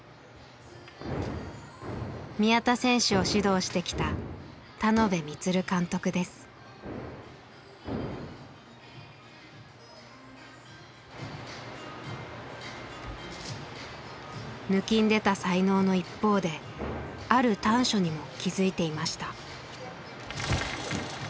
宮田選手を指導してきたぬきんでた才能の一方である短所にも気付いていました。